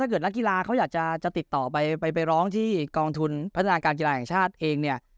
เกิดนักกีฬาเขาอยากจะติดต่อไปไปร้องที่กองทุนพัฒนาการกีฬาแห่งชาติเองเนี่ย